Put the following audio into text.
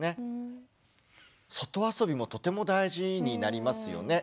外遊びもとても大事になりますよね。